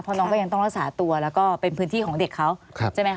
เพราะน้องก็ยังต้องรักษาตัวแล้วก็เป็นพื้นที่ของเด็กเขาใช่ไหมคะ